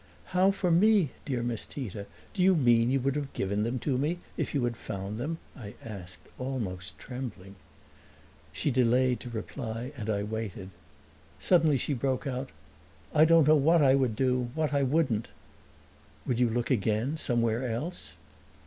"How for me, dear Miss Tita? Do you mean you would have given them to me if you had found them?" I asked, almost trembling. She delayed to reply and I waited. Suddenly she broke out, "I don't know what I would do what I wouldn't!" "Would you look again somewhere else?"